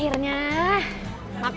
terima kasih pak